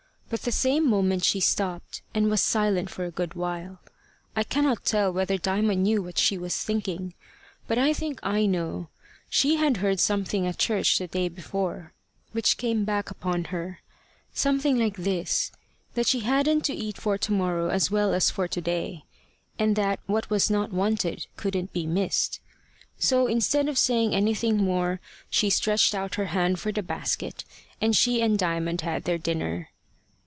But the same moment she stopped, and was silent for a good while. I cannot tell whether Diamond knew what she was thinking, but I think I know. She had heard something at church the day before, which came back upon her something like this, that she hadn't to eat for tomorrow as well as for to day; and that what was not wanted couldn't be missed. So, instead of saying anything more, she stretched out her hand for the basket, and she and Diamond had their dinner.